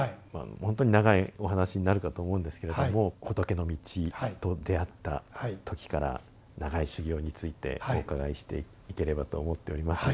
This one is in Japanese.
ほんとに長いお話になるかと思うんですけれども仏の道と出会った時から長い修行についてお伺いしていければと思っております。